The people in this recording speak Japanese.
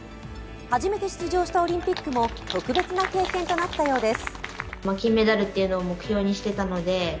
初めて出場したオリンピックも特別な経験となったようです。